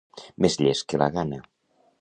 Més llest que la gana.